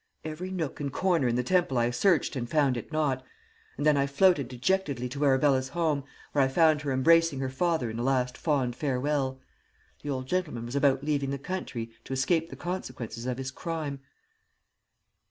Every nook and corner in the Temple I searched and found it not, and then I floated dejectedly to Arabella's home, where I found her embracing her father in a last fond farewell. The old gentleman was about leaving the country to escape the consequences of his crime.